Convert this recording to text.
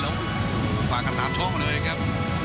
แล้วฝากต่างจากช่องเลยครับ